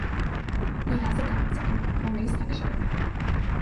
He has a godson, Maurice Heckscher.